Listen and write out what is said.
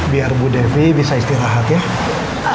biar bu devi bisa istirahat ya